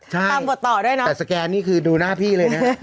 ตามบทต่อด้วยนะแต่สแกนนี่คือดูหน้าพี่เลยนะ